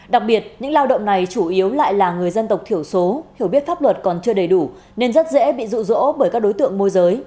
đặc biệt những lao động này chủ yếu lại là người dân tộc thiểu số hiểu biết pháp luật còn chưa đầy đủ nên rất dễ bị rụ rỗ bởi các đối tượng môi giới